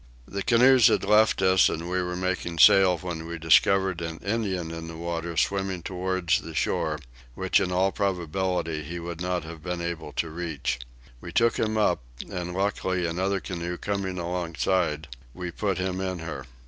The canoes had left us and we were making sail when we discovered an Indian in the water swimming towards the shore, which in all probability he would not have been able to reach. We took him up and luckily another canoe coming alongside we put him in her.